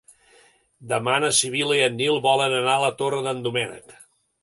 Demà na Sibil·la i en Nil volen anar a la Torre d'en Doménec.